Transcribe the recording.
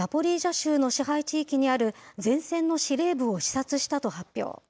州の支配地域にある前線の司令部を視察したと発表。